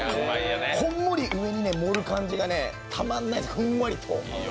こんもり上に盛る感じがたまんない、ふんわり。